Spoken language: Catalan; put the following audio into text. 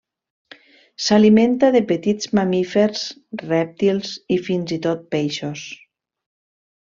S'alimenta de petits mamífers, rèptils i fins i tot peixos.